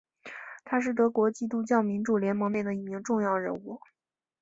他是德国基督教民主联盟内的一名重要人物。